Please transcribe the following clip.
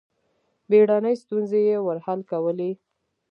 بېړنۍ ستونزې یې ور حل کولې.